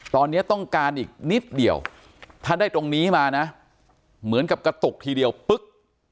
ตอนนี้ต้องการอีกนิดเดียวถ้าได้ตรงนี้มานะเหมือนกับกระตุกทีเดียวปึ๊ก